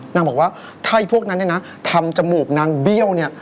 นางบอกว่าไพ่พวกนั้นเนี่ยนะทำจมูกนางเบี้ยวเนี่ย